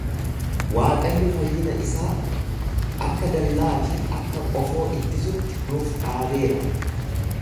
Waaqayyo fayyina isaa akka dallaa fi akka qofoo ittisutti nuuf dhaabeera.